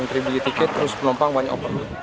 antri beli tiket terus penumpang banyak overload